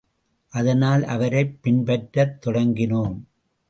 அதனால், அவரைப் பின்பற்றத் தொடங்கினோம்.